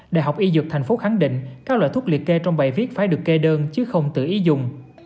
đại học y dược tp hcm khẳng định các loại thuốc liệt kê trong bài viết phải được kê đơn chứ không tự ý dùng